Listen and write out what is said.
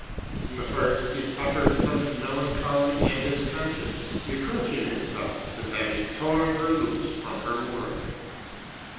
In the first, he suffers from his melancholy and his conscience, reproaching himself with having torn her loose from her moorings.